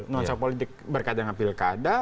nuansa politik berkait dengan pilkada